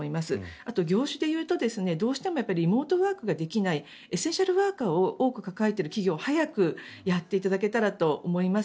あとは業種でいうとどうしてもリモートワークができないエッセンシャルワーカーを多く抱えている企業を早くやっていただけたらと思います。